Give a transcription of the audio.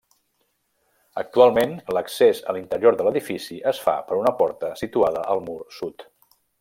Actualment, l'accés a l'interior de l'edifici es fa per una porta situada al mur sud.